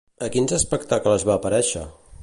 A quins espectacles va aparèixer?